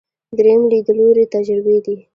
درېیم لیدلوری تجربي دی.